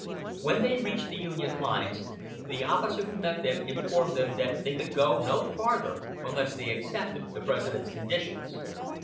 When they reached the Union lines the officer who met them informed them that they could go no farther unless they accepted the President's conditions.